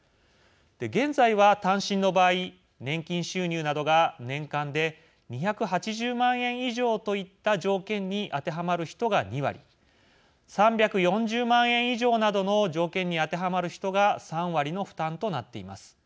現在は、単身の場合年金収入などが年間で２８０万円以上といった条件に当てはまる人が２割３４０万円以上などの条件に当てはまる人が３割の負担となっています。